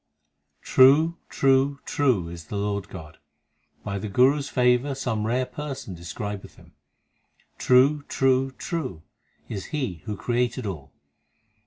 True, true, true is the Lord God ; By the Guru s favour some rare person describeth Him. True, true, true is He who created all.